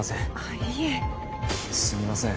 いえすみません